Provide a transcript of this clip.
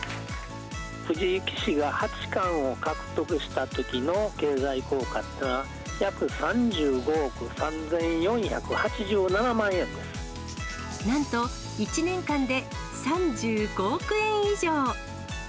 藤井棋士が八冠を獲得したときの経済効果っていうのは、なんと、１年間で３５億円以上。